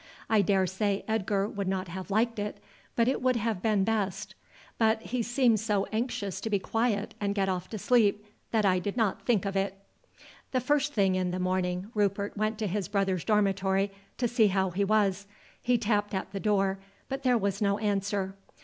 I daresay Edgar would not have liked it, but it would have been best; but he seemed so anxious to be quiet and get off to sleep, that I did not think of it." The first thing in the morning Rupert went to his brother's dormitory to see how he was. He tapped at the door, but there was no answer.